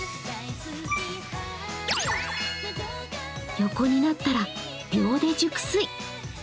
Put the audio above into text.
横になったら秒で熟睡。